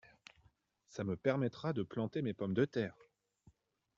Ca me permettra de planter mes pommes de terre !